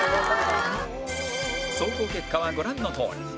総合結果はご覧のとおり